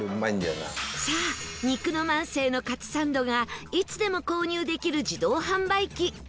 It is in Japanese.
さあ肉の万世のかつサンドがいつでも購入できる自動販売機